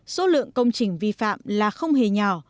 số lượng công trình vi phạm là không hề nhỏ